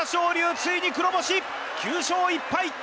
ついに黒星９勝１敗